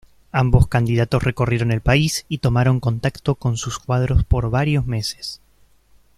Ambos candidatos recorrieron el país y tomaron contacto con sus cuadros por varios meses.